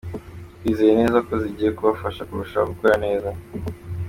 Twizeye neza ko zigiye kubafasha kurushaho gukora neza .